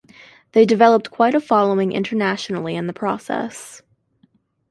They developed quite a following internationally in the process.